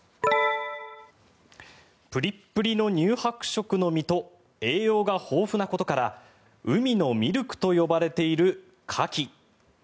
プリップリの乳白色の身と栄養が豊富なことから海のミルクと呼ばれているカキ。